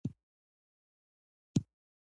حتا نهيلي له ورايه په شنډو خوره وه .